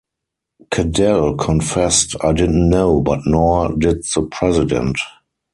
Cadell confessed 'I didn't know but nor did the president.